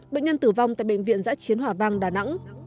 bệnh nhân tử vong tại bệnh viện giãi chiến hòa vang đà nẵng